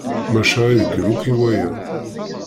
Maca ireggel akk i waya.